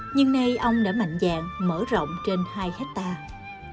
nhưng nay ông đã mạnh dạng mở rộng trên hai hectare